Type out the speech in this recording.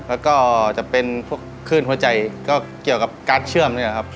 แล้วก็จะเป็นพวกคลื่นหัวใจก็เกี่ยวกับการ์ดเชื่อมนี่แหละครับ